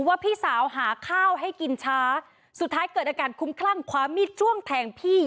พี่สาวหาข้าวให้กินช้าสุดท้ายเกิดอาการคุ้มคลั่งคว้ามีดจ้วงแทงพี่